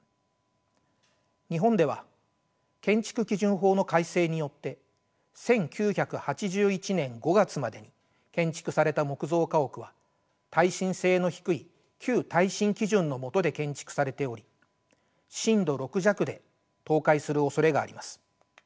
日本では建築基準法の改正によって１９８１年５月までに建築された木造家屋は耐震性の低い旧耐震基準のもとで建築されており震度６弱で倒壊するおそれがあります。